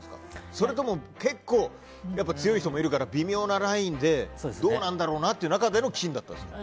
それとも強い人もいるから微妙なラインでどうなんだろうなっていう中での金でしたか。